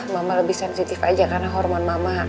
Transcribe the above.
mama lebih sensitif aja karena hormon mama